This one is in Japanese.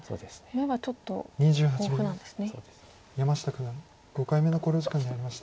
山下九段５回目の考慮時間に入りました。